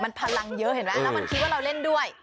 มันพลังเยอะเห็นไหมแล้วมันคิดว่าเราเล่นด้วย